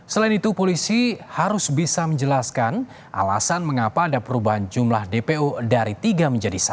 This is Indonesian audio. selain itu polisi harus bisa menjelaskan alasan mengapa ada perubahan jumlah dpo dari tiga menjadi satu